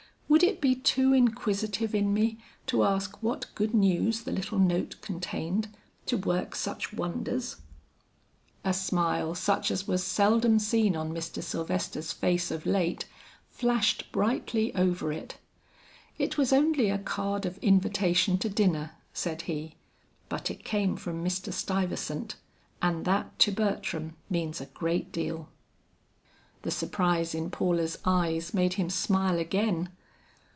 Would it be too inquisitive in me to ask what good news the little note contained, to work such wonders?" A smile such as was seldom seen on Mr. Sylvester's face of late, flashed brightly over it. "It was only a card of invitation to dinner," said he, "but it came from Mr. Stuyvesant, and that to Bertram means a great deal." The surprise in Paula's eyes made him smile again.